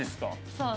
そう。